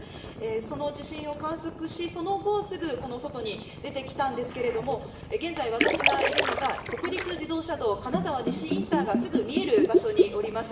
その地震を観測し、その後、すぐ外に出てきたんですけれども、現在私がいるのは北陸自動車道金沢西インターがすぐ見える場所におります。